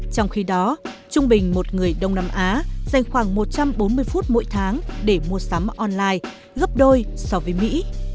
trong khi đó trung bình một người đông nam á dành khoảng một trăm bốn mươi phút mỗi tháng để mua sắm online gấp đôi so với mỹ